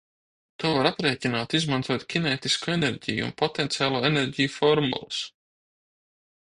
To var aprēķināt, izmantojot kinētisko enerģiju un potenciālo enerģiju formulas: